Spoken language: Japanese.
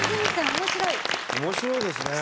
面白いですね。